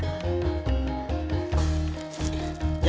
jalannya cepat amat